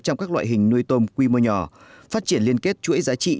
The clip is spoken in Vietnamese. trong các loại hình nuôi tôm quy mô nhỏ phát triển liên kết chuỗi giá trị